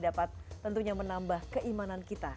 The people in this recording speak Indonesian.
dapat tentunya menambah keimanan kita